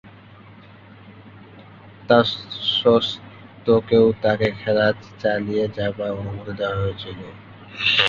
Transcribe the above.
তাস্বত্ত্বেও তাকে খেলা চালিয়ে যাবার অনুমতি দেয়া হয়েছিল।